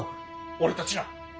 俺たちが。